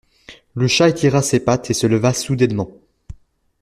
Le chat étira ses pattes et se leva soudainement.